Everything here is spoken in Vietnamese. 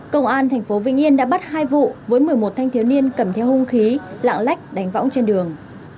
công an tp vĩnh yên đã bắt hai vụ với một mươi một thanh thiếu niên cầm theo hung khí lạng lách đánh võng trên đường